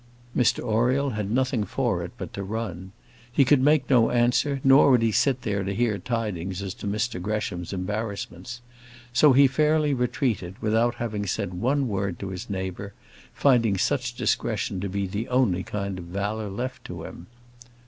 Mr Oriel had nothing for it but to run. He could make no answer, nor would he sit there to hear tidings as to Mr Gresham's embarrassments. So he fairly retreated, without having said one word to his neighbour, finding such discretion to be the only kind of valour left to him.